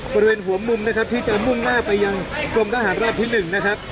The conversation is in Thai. บริเวณหัวมุมนะครับที่จะมุ่งหน้าไปยังกรมทหารราบที่๑นะครับ